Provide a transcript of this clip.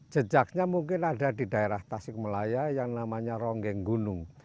jejaknya mungkin ada di daerah tasik melaya yang namanya ronggeng gunung